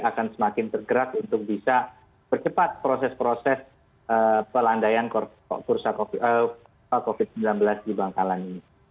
akan semakin tergerak untuk bisa bercepat proses proses pelandaian kursa covid sembilan belas di bangkalan ini